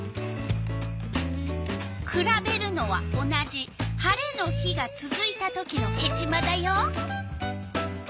くらべるのは同じ晴れの日がつづいたときのヘチマだよ。